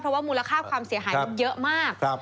เพราะว่ามูลค่าความเสียหายมันเยอะมาก